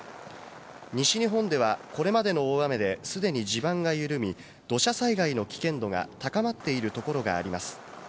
西日本では、これまでの大雨で既に地盤が緩み、土砂災害の危険度が高まっているところがあります。